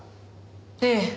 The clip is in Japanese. ええ。